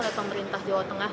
oleh pemerintah jawa tengah